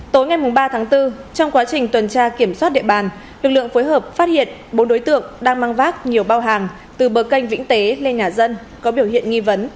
tối ngày ba tháng bốn trong quá trình tuần tra kiểm soát địa bàn lực lượng phối hợp phát hiện bốn đối tượng đang mang vác nhiều bao hàng từ bờ canh vĩnh tế lên nhà dân có biểu hiện nghi vấn